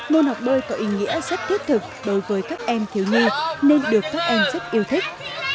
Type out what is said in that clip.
môn học bơi có ý nghĩa rất thiết thực đối với các em thiếu nhi nên được các em rất yêu thích